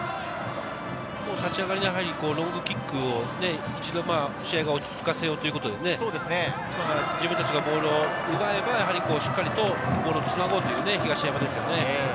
立ち上がり、ロングキックを一度試合を落ち着かせようということで、自分たちがボールを奪えば、しっかりとボールをつなごうという東山ですね。